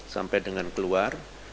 sampai dengan keluar